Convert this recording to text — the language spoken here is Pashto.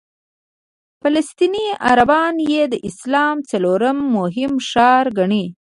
فلسطیني عربان یې د اسلام څلورم مهم ښار ګڼي.